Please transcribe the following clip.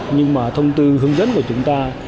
nhưng mà thông tư hướng dẫn của chúng ta